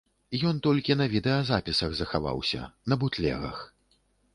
Ён толькі на відэазапісах захаваўся, на бутлегах.